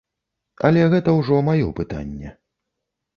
Але гэта ўжо маё пытанне.